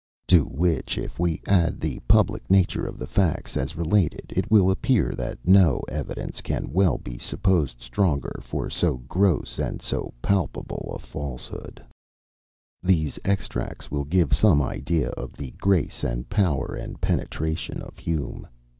To which, if we add the public nature of the facts, as related, it will appear that no evidence can well be supposed stronger for so gross and so palpable a falsehood." These extracts will give some idea of the grace, and power, and penetration of Hume.